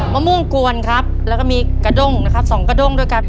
มะม่วงกวนครับแล้วก็มีกระด้งนะครับสองกระด้งด้วยกัน